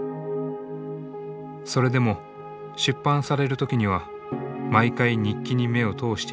それでも出版される時には毎回日記に目を通していた石田さん。